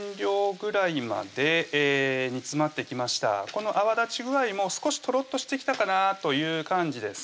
この泡立ち具合も少しとろっとしてきたかなという感じです